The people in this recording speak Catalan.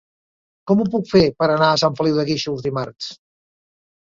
Com ho puc fer per anar a Sant Feliu de Guíxols dimarts?